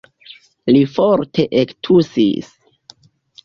Li forte ektusis.